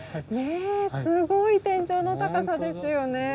ねえすごい天井の高さですよね。